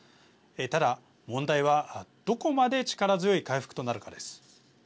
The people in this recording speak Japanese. ただ、問題はどこまで力強い回復となるかです。